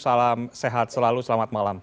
salam sehat selalu selamat malam